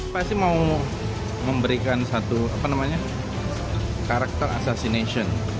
saya sih mau memberikan satu karakter asas ini